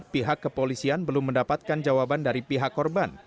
pihak kepolisian belum mendapatkan jawaban dari pihak korban